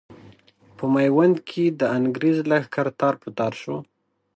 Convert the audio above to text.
په ميوند کې د انګرېز لښکر تار په تار شو.